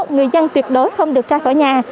người dân tuyệt đối không được ra khỏi nhà